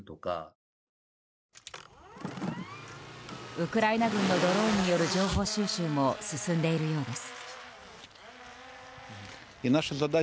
ウクライナ軍のドローンによる情報収集も進んでいるそうです。